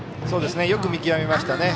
よく見極めましたね。